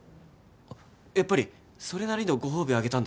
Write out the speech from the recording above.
やっぱりそれなりのご褒美あげたんだろ？